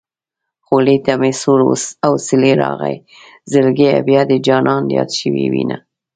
خولې ته مې سوړ اوسېلی راغی زړګيه بيا به دې جانان ياد شوی وينه